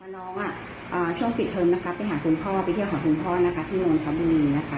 น้องช่วงปิดเทิมไปหาคุณพ่อไปเที่ยวของคุณพ่อที่โรงชาวบุรีนะคะ